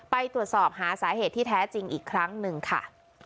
ไปตรวจสอบหาสาเหตุที่แท้จริงอีกครั้งหนึ่งค่ะ